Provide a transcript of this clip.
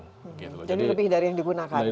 jadi lebih dari yang digunakan